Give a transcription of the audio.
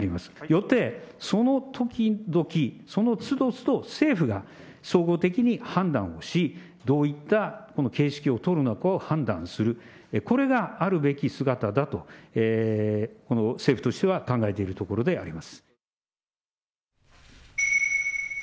よって、その時々、そのつどつど、政府が総合的に判断をし、どういった形式を取るのか判断する、これがあるべき姿だとこの政府としては考えているところであります。